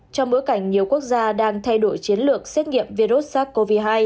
trong bối cảnh nhiều quốc gia đang thay đổi chiến lược xét nghiệm virus sars cov hai